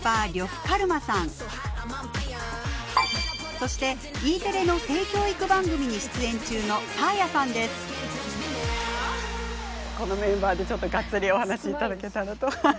そしてＥテレの性教育番組に出演中のこのメンバーでがっつりお話しいただけたらと。